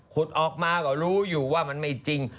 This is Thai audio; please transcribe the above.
ออกมาก็รู้อยู่ว่ามันไม่จริง